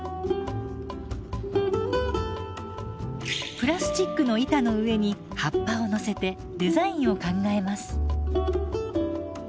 プラスチックの板の上に葉っぱを乗せてデザインを考えます。